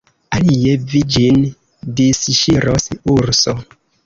Alie vi ĝin disŝiros, urso!